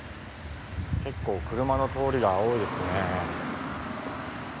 結構車の通りが多いですね。